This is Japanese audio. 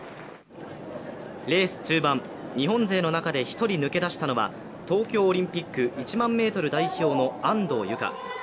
レース中盤、日本勢の中で１人抜け出したのは、東京オリンピック１００００ｍ代表の安藤友香。